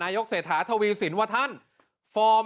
นายกเสถาทวรีวศิลป์ว่าท่านฟอร์ม